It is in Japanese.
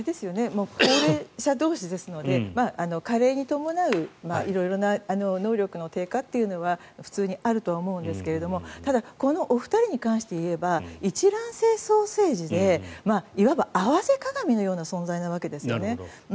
高齢者同士ですので加齢に伴う色々な能力の低下というのは普通にあるとは思うんですがただ、このお二人に関して言えば一卵性双生児でいわば合わせ鏡のような存在なわけですよね。